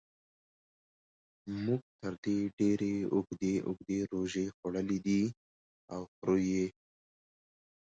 موږ تر دې ډېرې اوږدې اوږدې روژې خوړلې دي او خورو یې.